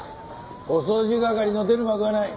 お掃除係の出る幕はない。